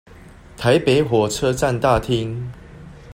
台北火車站大廳